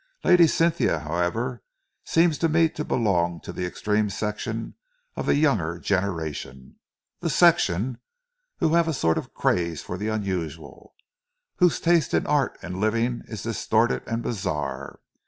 Lady Cynthia, however, seems to me to belong to the extreme section of the younger generation, the section who have a sort of craze for the unusual, whose taste in art and living is distorted and bizarre.